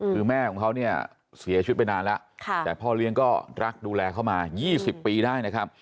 คือแม่ของเขาเนี่ยเสียชีวิตไปนานแล้วแต่พ่อเลี้ยงก็รักดูแลเขามา๒๐ปีได้นะครับ